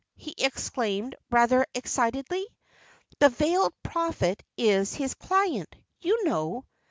he exclaimed, rather excitedly. "The veiled Prophet is his client, you know.